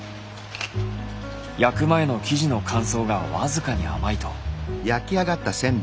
焼く前の生地の乾燥がわずかに甘いと。